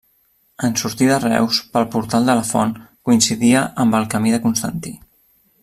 En sortir de Reus, pel portal de la Font, coincidia amb el camí de Constantí.